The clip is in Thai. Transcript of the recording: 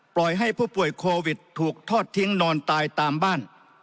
ปล่อยให้ผู้ป่วยโควิดถูกทอดทิ้งนอนตายตามบ้าน